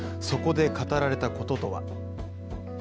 そこで語られたこととは。